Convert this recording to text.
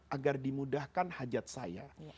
agar dimudahkan hajat saya